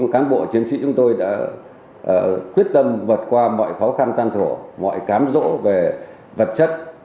cán bộ chiến sĩ chúng tôi đã quyết tâm vật qua mọi khó khăn trang trổ mọi cám rỗ về vật chất